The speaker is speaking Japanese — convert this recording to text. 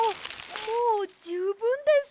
もうじゅうぶんです。